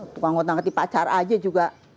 tukang gotang keti pacar aja juga